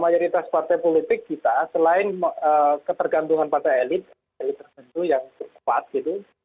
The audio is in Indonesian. mayoritas partai politik kita selain ketergantungan pada elit elit tertentu yang cepat gitu